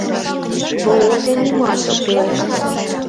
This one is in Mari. Володя нимат ок пелеште.